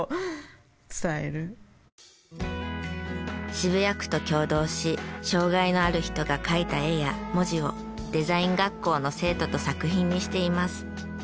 渋谷区と共同し障害のある人が描いた絵や文字をデザイン学校の生徒と作品にしています。